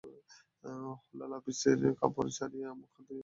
হরলাল আপিসের কাপড় ছাড়িয়া মুখহাত ধুইয়া বেণুর কাছে আসিয়া বসিল।